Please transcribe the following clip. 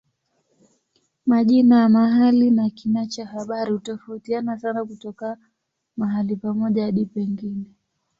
Majina ya mahali na kina cha habari hutofautiana sana kutoka mahali pamoja hadi pengine.